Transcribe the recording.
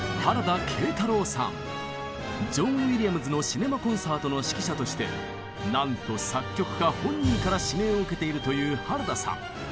ジョン・ウィリアムズのシネマ・コンサートの指揮者としてなんと作曲家本人から指名を受けているという原田さん。